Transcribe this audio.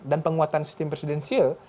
dan penguatan sistem presidensil